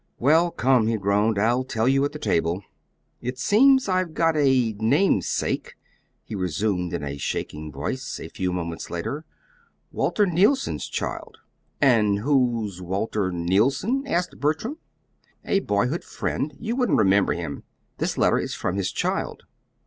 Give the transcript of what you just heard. "Well, come," he groaned. "I'll tell you at the table.... It seems I've got a namesake," he resumed in a shaking voice, a few moments later; "Walter Neilson's child." "And who's Walter Neilson?" asked Bertram. "A boyhood friend. You wouldn't remember him. This letter is from his child."